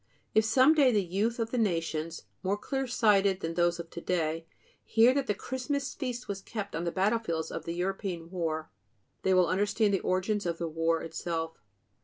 If some day the youth of the nations, more clear sighted than those of to day, hear that the Christmas feast was kept on the battlefields of the European war, they will understand the origins of the war itself.